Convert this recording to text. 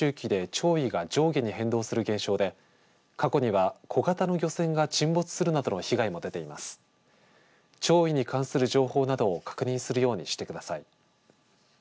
潮位に関する情報などを確認するようにしてください。